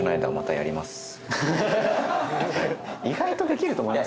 意外とできると思います。